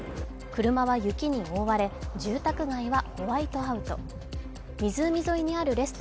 車は雪に覆われ、住宅街はホワイトアウト。